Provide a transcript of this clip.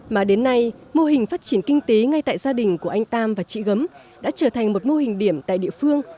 mà đến nay mô hình phát triển kinh tế ngay tại gia đình của anh tam và chị gấm đã trở thành một mô hình điểm tại địa phương